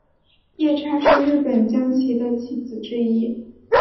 夜叉是日本将棋的棋子之一。